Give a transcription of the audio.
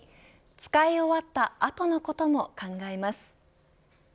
使い終わった後のことも考えます。